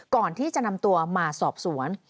ก่อนที่จะนำตัวมาสอบสวน